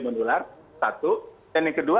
menular satu dan yang kedua